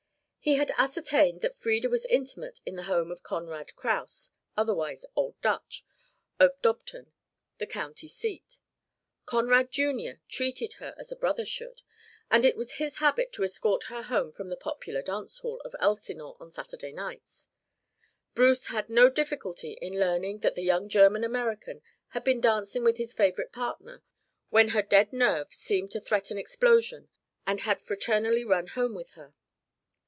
He had ascertained that Frieda was intimate in the home of Conrad Kraus, otherwise "Old Dutch," of Dobton, the County seat. Conrad, Jr., treated her as a brother should, and it was his habit to escort her home from the popular dance hall of Elsinore on Saturday nights. Bruce had no difficulty in learning that the young German American had been dancing with his favourite partner when her dead nerve seemed to threaten explosion and had fraternally run home with her.